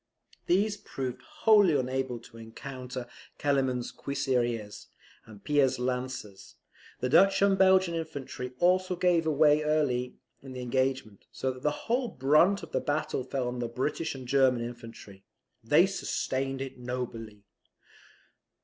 These proved wholly unable to encounter Kellerman's cuirassiers and Pire's lancers; the Dutch and Belgian infantry also gave way early in the engagement; so that the whole brunt of the battle fell on the British and German infantry. They sustained it nobly.